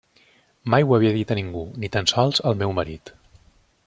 Mai ho havia dit a ningú, ni tan sols al meu marit.